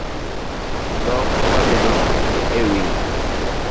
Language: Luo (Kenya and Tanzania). Dhok ma bedo e wiI